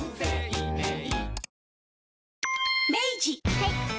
はい。